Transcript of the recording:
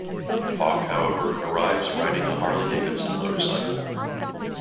Hawk, however, arrives riding a Harley Davidson motorcycle.